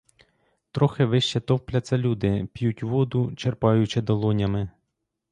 Трохи вище товпляться люди, п'ють воду, черпаючи долонями.